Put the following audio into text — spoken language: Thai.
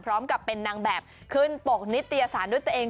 พร้อมกับเป็นนางแบบขึ้นปกนิตยสารด้วยตัวเอง